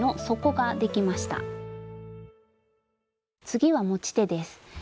次は持ち手です。